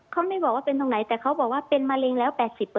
เขาไม่บอกว่าเป็นตรงไหนแต่เขาบอกว่าเป็นมะเร็งแล้ว๘๐